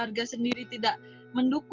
yang lain pertama saya pakai khemiat pertanian vbk